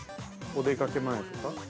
◆お出かけ前とか。